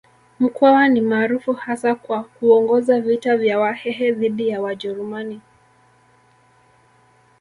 Mkwawa ni maarufu hasa kwa kuongoza vita vya Wahehe dhidi ya Wajerumani